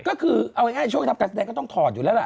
ก็คือเอาง่ายช่วงทำการแสดงก็ต้องถอดอยู่แล้วล่ะ